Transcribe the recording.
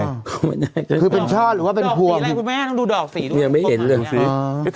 คือเป็นชอบหรือว่าดอกสีอะไรคุณแม่ต้องดูดอกสิยังไม่เห็นเลยดูสิ